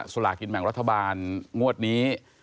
สุรากิณแหม่งรัฐบาลงวดนี้